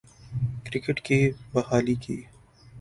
cricket کی بحالی کی